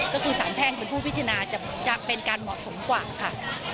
ก็คือสารแพ่งเป็นผู้พิจารณาจะเป็นการเหมาะสมกว่าค่ะ